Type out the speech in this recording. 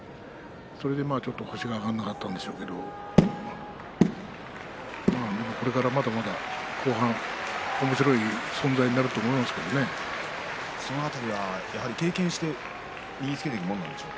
それで星が挙がらなかったんでしょうけれどもこれからまだまだ後半おもしろい存在になるとその辺りはやはり経験して身につけていくものなんでしょうか。